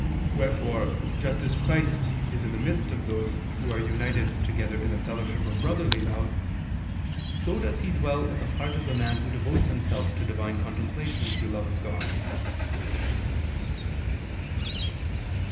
Wherefore just as Christ is in the midst of those who are united together in the fellowship of brotherly love, so does He dwell in the heart of the man who devotes himself to divine contemplation through love of God.